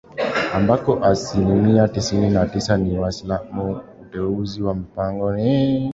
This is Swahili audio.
ambako asilimia tisini na tisa ni WaislamuUteuzi wa Mpango umeweka tena uwiano huo